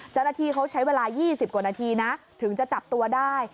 เจ้าหน้าที่เขาใช้เวลา๒๐กว่านาทีนะถึงจะจับตัวได้